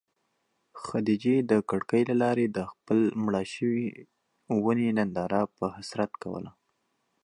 خدیجې د کړکۍ له لارې د خپلې مړاوې شوې ونې ننداره په حسرت کوله.